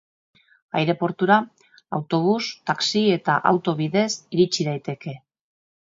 Aireportura autobus, taxi eta auto bidez iritsi daiteke.